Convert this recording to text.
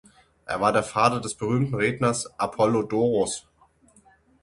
Er war der Vater des berühmten Redners Apollodoros.